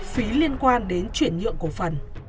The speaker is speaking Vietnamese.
phí liên quan đến chuyển nhượng cổ phần